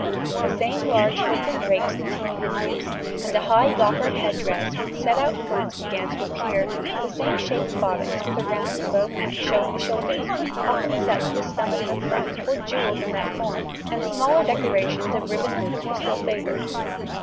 The same large hoods and drapes continued in use, and a high goffered head dress with set out front began to appear; the same shaped bodice with round low neck showing the shoulders, often set with a stomacher front or jewelled in that form, and smaller decorations of ribbon loops were still favoured.